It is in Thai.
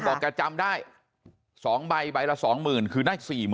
แกจำได้๒ใบใบละ๒๐๐๐คือได้๔๐๐๐